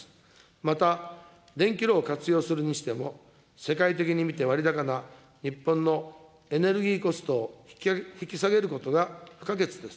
また電気炉を活用するにしても、世界的に見て割高な日本のエネルギーコストを引き下げることが不可欠です。